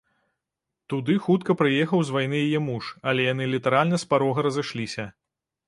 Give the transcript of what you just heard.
Туды хутка прыехаў з вайны яе муж, але яны літаральна з парога разышліся.